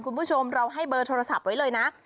คุณผู้ชมเราให้เบอร์โทรศัพท์ไว้เลยนะ